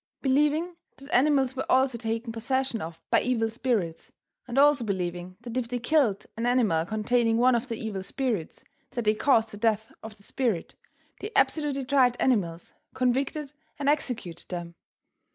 Believing that animals were also taken possession of by evil spirits and also believing that if they killed an animal containing one of the evil spirits that they caused the death of the spirit, they absolutely tried animals, convicted and executed them.